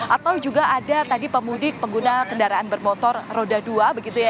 atau juga ada tadi pemudik pengguna kendaraan bermotor roda dua begitu ya